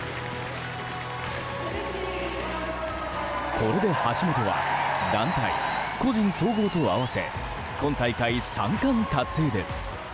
これで、橋本は団体・個人総合と合わせ今大会３冠達成です。